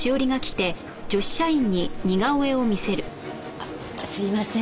あっすいません。